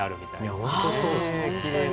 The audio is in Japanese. いや本当そうですね。